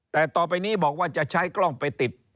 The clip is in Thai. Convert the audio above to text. แต่ต่อไปนี้บอกว่าจะใช้กล้องไปติด